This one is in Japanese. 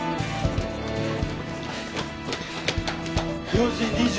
４時２７分。